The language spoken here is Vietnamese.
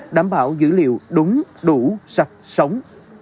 đảm bảo dữ liệu đúng đủ sạch sống